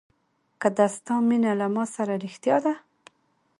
که د ستا مینه له ما سره رښتیا ده.